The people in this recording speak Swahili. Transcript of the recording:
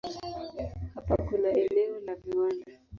Hapa kuna eneo la viwanda.